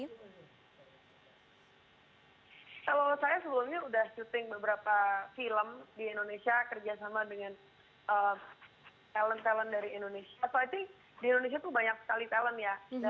kalau saya sebelumnya sudah syuting beberapa film di indonesia kerjasama dengan